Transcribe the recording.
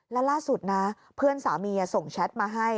แล้วล่าสุดนะเพื่อนสามีส่งแชทมาให้